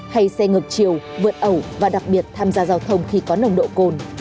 hay xe ngược chiều vượt ẩu và đặc biệt tham gia giao thông khi có nồng độ cồn